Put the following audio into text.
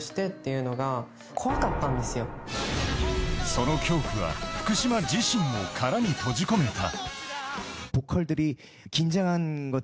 その恐怖は、福嶌自身を殻に閉じ込めた。